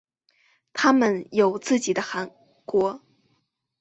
他们有自己的汗国。